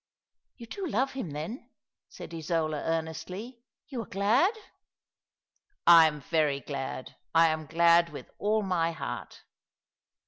" You do love him, then ?" said Isola, earnestly. " You are glad." ," I am very glad. I am glad with all my heart."